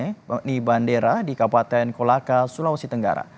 yakni bandera di kabupaten kolaka sulawesi tenggara